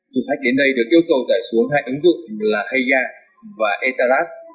dù khách đến đây được yêu cầu đẩy xuống hai ứng dụng là heia và etalas